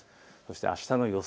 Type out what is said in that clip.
あしたの予想